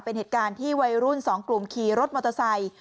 เป็นเหตุการณ์ที่วัยรุ่นสองกลุ่มขี่รถมอเตอร์ไซค์